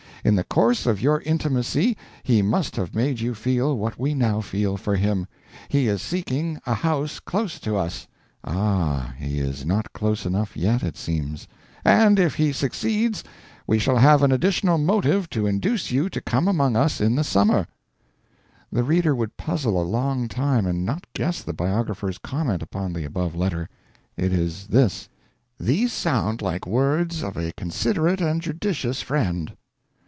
In the course of your intimacy he must have made you feel what we now feel for him. He is seeking a house close to us " Ah! he is not close enough yet, it seems "and if he succeeds we shall have an additional motive to induce you to come among us in the summer." The reader would puzzle a long time and not guess the biographer's comment upon the above letter. It is this: "These sound like words of A considerate and judicious friend."